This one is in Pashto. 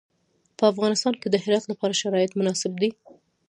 په افغانستان کې د هرات لپاره شرایط مناسب دي.